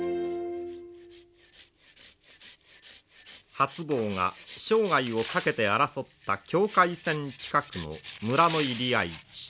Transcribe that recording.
初坊が生涯をかけて争った境界線近くの村の入会地。